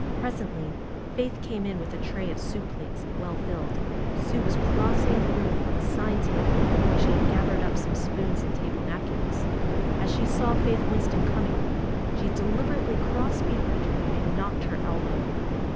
Presently Faith came in with a tray of soup plates. FAITH well filled. Sue was crossing the room from a side table, where she had gathered up some spoons and table napkins. As she saw Faith Winston coming, she deliberately crossed behind her and knocked her elbow.